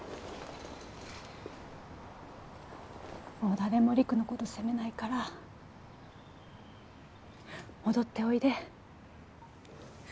もう誰も陸の事責めないから戻っておいで。